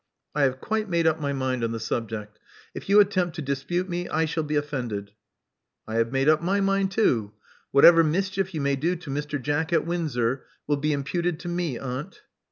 I have quite made up my mind on the subject. If you attempt to dispute me, I shall be offended." *'I have made up my mind too. Whatever mischief you may do to Mr. Jack at Windsor will be imputed to me, aunt."